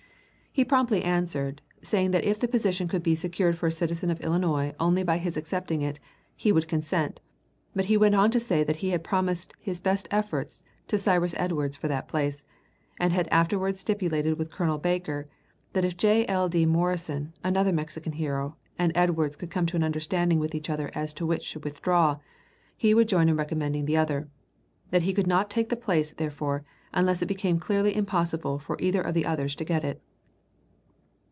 He promptly answered, saying that if the position could be secured for a citizen of Illinois only by his accepting it, he would consent; but he went on to say that he had promised his best efforts to Cyrus Edwards for that place, and had afterwards stipulated with Colonel Baker that if J. L. D. Morrison, another Mexican hero, and Edwards could come to an understanding with each other as to which should withdraw, he would join in recommending the other; that he could not take the place, therefore, unless it became clearly impossible for either of the others to get it.